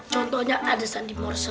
contohnya ada sandi morse